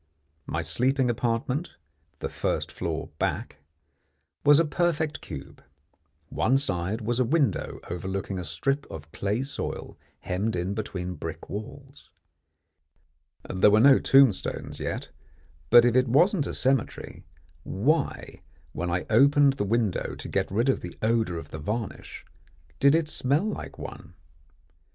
My sleeping apartment the first floor back was a perfect cube. One side was a window overlooking a strip of clay soil hemmed in between brick walls. There were no tombstones yet, but if it wasn't a cemetery, why, when I opened the window to get rid of the odour of the varnish, did it smell like one?